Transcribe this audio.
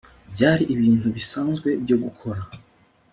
Byari ibintu bisanzwe byo gukora